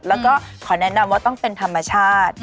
แล้วก็ขอแนะนำว่าต้องเป็นธรรมชาติ